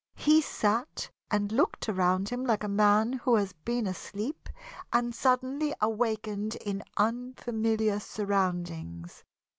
He sat and looked around him like a man who has been asleep and suddenly awakened in unfamiliar surroundings.